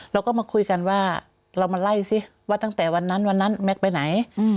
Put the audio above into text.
เราก็มาคุยกันว่าเรามาไล่สิว่าตั้งแต่วันนั้นวันนั้นแม็กซ์ไปไหน